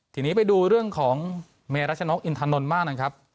ทีนี้ไปดูเรื่องของเมรัชนกอินทานนท์มากนะครับ